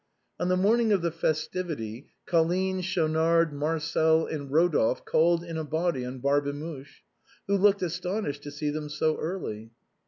On the morning of the festivity. Colline, Schaunard, Marcel, and Eodolphe, called, in a body, on Barbemuche, who looked astonished to see them so early.